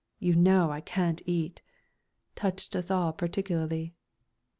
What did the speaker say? You know I can't eat," touched us all particularly.